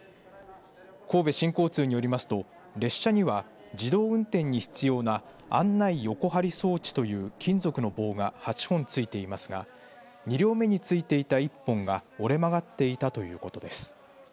神戸新交通によりますと列車には、自動運転に必要な案内横梁装置という金属の棒が８本ついてますが２両目についていた１本が折れ曲がっていたということです。